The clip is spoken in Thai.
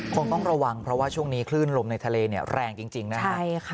คงต้องระวังเพราะว่าช่วงนี้คลื่นลมในทะเลเนี่ยแรงจริงนะครับ